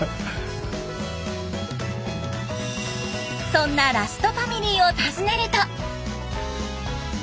そんなラストファミリーを訪ねると。